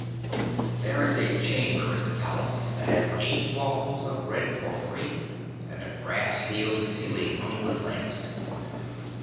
'There is a chamber in the palace that has eight walls of red porphyry, and a brass sealed ceiling hung with lamps.